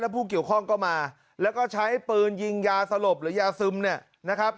ผู้เกี่ยวข้องก็มาแล้วก็ใช้ปืนยิงยาสลบหรือยาซึมเนี่ยนะครับ